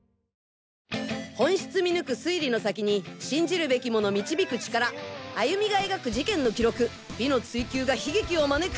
本質見抜く推理の先に信じるべきもの導く力歩美が描く事件の記録美の追及が悲劇を招く！